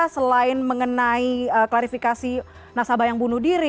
selain mengenai klarifikasi nasabah yang bunuh diri